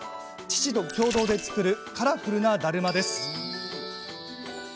父と共同で作るカラフルなだるまです。